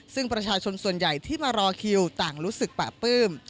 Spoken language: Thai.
ซึ่งประชาชนส่วนใหญ่ที่มารอคิวต่างรู้สึกปะปลื้ม